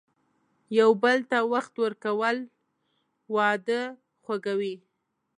یو بل ته وخت ورکول، واده خوږوي.